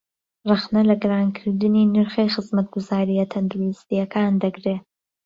رهخنه له گرانکردنی نرخی خزمهتگوزارییه تهندروستییهکان دهگرێ